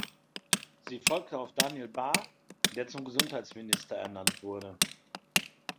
Sie folgte auf Daniel Bahr, der zum Bundesgesundheitsminister ernannt wurde.